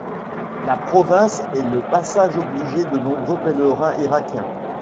La province est le passage obligé de nombreux pèlerins irakiens.